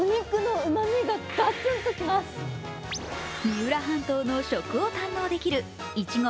三浦半島の食を堪能できるいちご